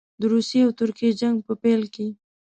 د روسیې او ترکیې جنګ په پیل کې.